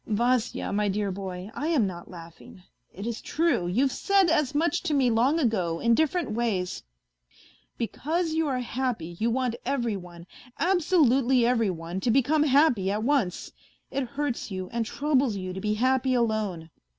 Vasya, my dear boy, I am not laughing ; it is true ; you've said as much to me long ago, in different ways. Because you are happy, you want every one, absolutely every one, to become happy at once. It hurts you and troubles you to be happy alone.